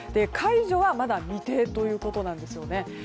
解除はまだ未定ということなんですね。